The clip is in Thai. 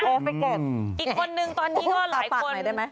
อืมน่ะอีกคนนึงตอนนี้ก็หลายคน